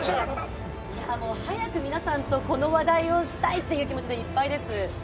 早く皆さんと、この話題をしたいという気持ちでいっぱいです。